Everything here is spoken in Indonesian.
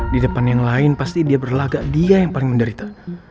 di depan yang lain pasti dia berlagak dia yang paling menderita